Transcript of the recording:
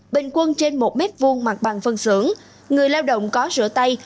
bình quân trên một m hai mặt bằng phân xưởng người lao động có rửa tay